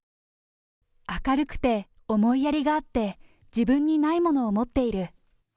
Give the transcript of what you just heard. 明るくて思いやりがあって、自分にないものを持っている。